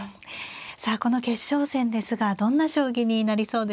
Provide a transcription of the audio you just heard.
さあこの決勝戦ですがどんな将棋になりそうですか。